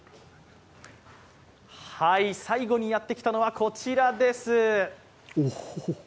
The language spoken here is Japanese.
最後にやってきたのはこちらです。